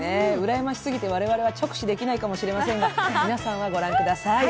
羨ましすぎて、我々は直視できないかもしれませんが、皆さんは御覧ください。